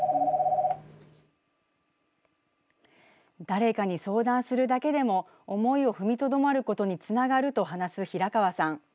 誰かに相談するだけでも思いを踏みとどまることにつながると話す平川さん。